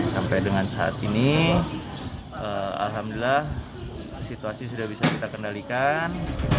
sampai dengan saat ini alhamdulillah situasi sudah bisa kita kendalikan